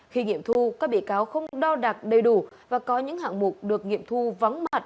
khi nghiệm thu các bị cáo không đo đạc đầy đủ và có những hạng mục được nghiệm thu vắng mặt